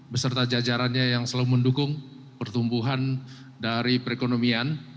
beserta jajarannya yang selalu mendukung pertumbuhan dari perekonomian